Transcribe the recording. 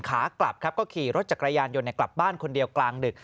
ขากลับครับก็ขี่รถจักรยานยนต์กลับบ้านคนเดียวกลางดึก